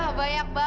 wah banyak banget